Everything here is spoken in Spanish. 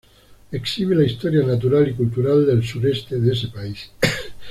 Exhibe la historia natural y cultural del suroeste de ese país.